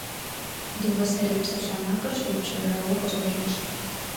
Дыгъуасэрей псалъэмакъыр щыгъупщэжауэ къыщӏэкӏащ.